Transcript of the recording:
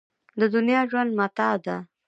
د دنیا ژوند متاع ده.